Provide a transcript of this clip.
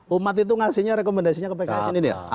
umat itu ngasihnya rekomendasinya ke pks ini ya